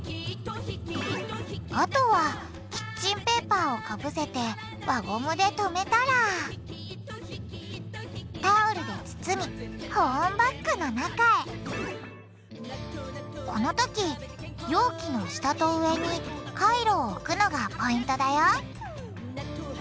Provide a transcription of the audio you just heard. あとはキッチンペーパーをかぶせて輪ゴムで留めたらタオルで包み保温バッグの中へこのとき容器の下と上にカイロを置くのがポイントだよ。